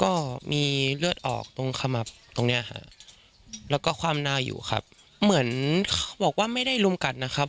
ก็มีเลือดออกตรงขมับตรงเนี้ยฮะแล้วก็ความหน้าอยู่ครับเหมือนเขาบอกว่าไม่ได้ลุมกัดนะครับ